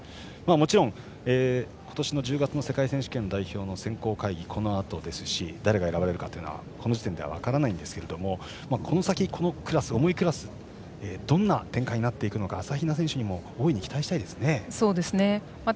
もちろん今年の１０月の世界選手権代表の選考会議、このあとですし誰が選ばれるかはこの時点では分からないんですがこの先、この重いクラスどんな展開になっていくのか朝比奈選手にも大いに期待したいですね。